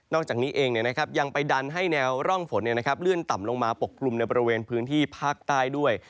อกจากนี้เองยังไปดันให้แนวร่องฝนเลื่อนต่ำลงมาปกกลุ่มในบริเวณพื้นที่ภาคใต้ด้วย